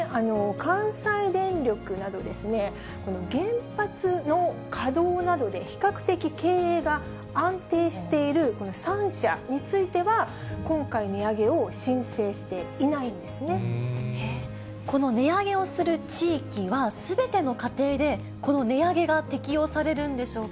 関西電力など、原発の稼働などで比較的経営が安定しているこの３社については、今回、この値上げをする地域は、すべての家庭でこの値上げが適用されるんでしょうか。